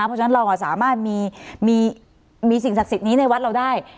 เพราะฉะนั้นเราสามารถมีสิ่งศักดิ์สิทธิ์นี้ในวัดเราได้